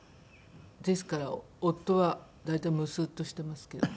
ですから夫は大体ムスッとしてますけども。